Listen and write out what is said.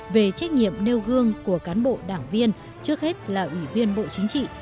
về trách nhiệm nêu gương của cán bộ đảng viên trước hết là ủy viên bộ chính trị